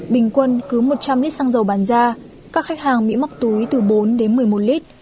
bình quân cứ một trăm linh lít xăng dầu bàn ra các khách hàng bị móc túi từ bốn đến một mươi một lít